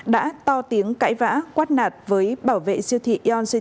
đã to tiếng cãi vã quát nạt với bảo vệ siêu thị yonc